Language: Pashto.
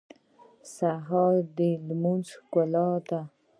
سهار د لمونځ ښکلا ده.